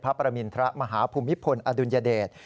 พระปรมิณฑระมหาภูมิพลอดุลยเดช